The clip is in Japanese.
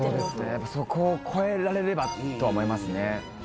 やっぱそこを超えられればとは思いますね